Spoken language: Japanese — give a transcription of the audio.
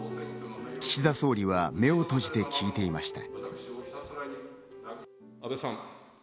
岸田総理は目を閉じて聞いていました。